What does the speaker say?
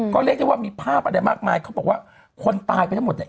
ก็เรียกได้ว่ามีภาพอะไรมากมายเขาบอกว่าคนตายไปทั้งหมดเนี่ย